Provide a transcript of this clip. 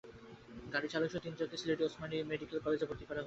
গাড়ির চালকসহ তিনজনকে Sylhet Osmani medical college হাসপাতালে ভর্তি করা হয়েছে।